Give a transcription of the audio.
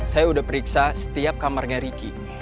saya udah periksa setiap kamarnya riki